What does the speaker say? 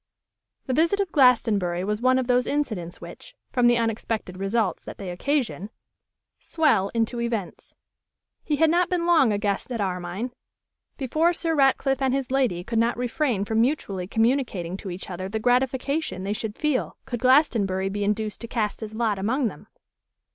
The visit of Glastonbury was one of those incidents which, from the unexpected results that they occasion, swell into events. He had not been long a guest at Armine before Sir Ratcliffe and his lady could not refrain from mutually communicating to each other the gratification they should feel could Glastonbury be induced to cast his lot among them.